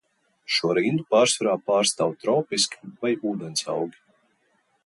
Šo rindu pārsvarā pārstāv tropiski vai ūdensaugi.